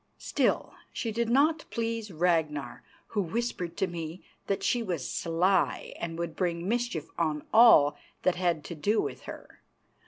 Still, she did not please Ragnar, who whispered to me that she was sly and would bring mischief on all that had to do with her.